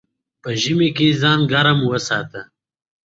The trail down the ridge towards Margaret Lake first crosses Lake Yvonne.